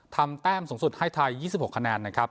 ทำแต้มสูงสุดให้ไทยยี่สิบหกคะแนนนะครับ